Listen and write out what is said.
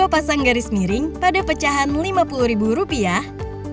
pasang garis miring pada pecahan lima puluh ribu rupiah